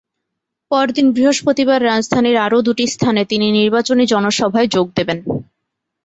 পরদিন বৃহস্পতিবার রাজধানীর আরও দুটি স্থানে তিনি নির্বাচনী জনসভায় যোগ দেবেন।